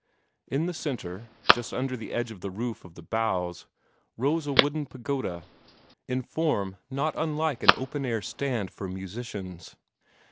In the centre, just under the edge of the roof of boughs, rose a wooden pagoda, in form not unlike an open air stand for musicians.